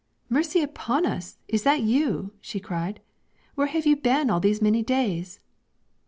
'Mercy on us! is that you?' she cried, 'where have you been all these many days?'